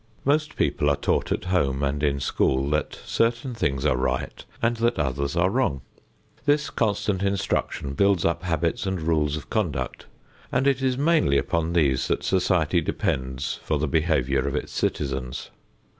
Most people are taught at home and in school that certain things are right and that others are wrong. This constant instruction builds up habits and rules of conduct, and it is mainly upon these that society depends for the behavior of its citizens.